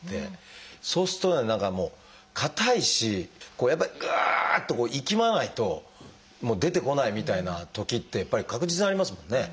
そうするとね何かもう硬いしやっぱりぐっといきまないともう出てこないみたいなときってやっぱり確実にありますもんね。